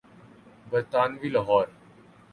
برطانوی لاہور۔